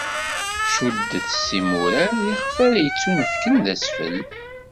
Cuddet s yimurar ixf ara yettunefken d asfel.